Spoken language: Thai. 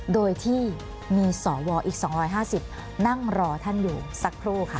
โดยที่มีสวอีก๒๕๐นั่งรอท่านอยู่สักครู่ค่ะ